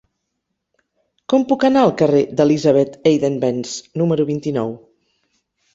Com puc anar al carrer d'Elisabeth Eidenbenz número vint-i-nou?